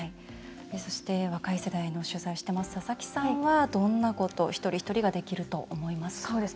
そして若い世代の取材しています佐々木さんは、どんなこと一人一人ができると思いますか？